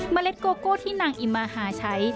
เล็ดโกโก้ที่นางอิมาฮาใช้